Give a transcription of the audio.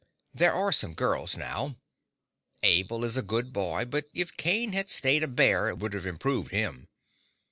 There are some girls now. Abel is a good boy, but if Cain had stayed a bear it would have improved him.